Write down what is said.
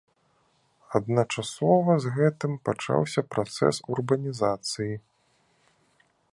Адначасова з гэтым пачаўся працэс урбанізацыі.